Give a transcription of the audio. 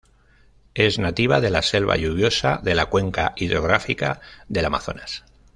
Es nativa de la selva lluviosa de la cuenca hidrográfica del Amazonas.